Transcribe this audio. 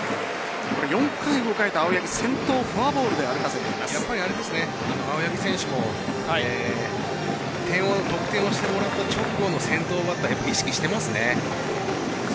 ４回、５回と青柳先頭、フォアボールで青柳選手も得点をしてもらって直後の先頭バッター意識していますね。